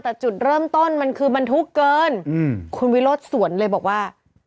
แต่จุดเริ่มต้นมันคือบรรทุกเกินคุณวิโรธสวนเลยบอกว่า